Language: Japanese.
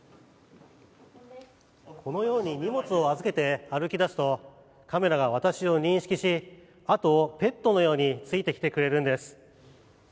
このように荷物を預けて歩き出すとカメラが私を認識しあとをペットのようについてきてくれるんです。